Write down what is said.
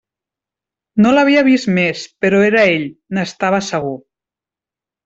No l'havia vist més, però era Ell, n'estava segur.